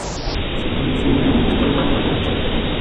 Su posición era la de extremo derecho.